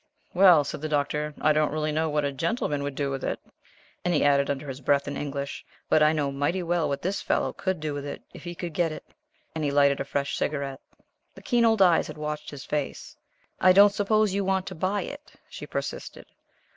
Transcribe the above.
"Well," said the Doctor, "I don't really know what a gentleman would do with it," and he added, under his breath, in English, "but I know mighty well what this fellow could do with it, if he could get it," and he lighted a fresh cigarette. The keen old eyes had watched his face. "I don't suppose you want to buy it?" she persisted.